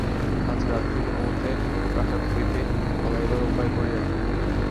আজ রাত্রেই কোনোমতে প্রাসাদ হইতে পালাইবার উপায় করিয়া দাও।